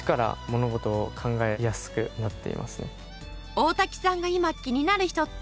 大瀧さんが今気になる人って？